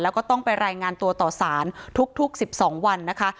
แล้วก็ต้องไปรายงานตัวต่อสารทุก๑๒วันนะคะ